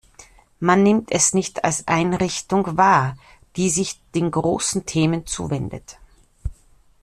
Man nimmt es nicht als Einrichtung wahr, die sich den großen Themen zuwendet.